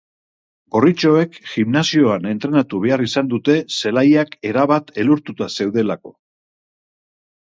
Gorritxoek gimnasioan entrenatu behar izan dute zelaiak erabat elurtuta zeudelako.